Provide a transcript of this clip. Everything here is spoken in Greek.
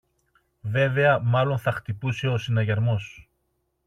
Βέβαια μάλλον θα χτυπούσε ο συναγερμός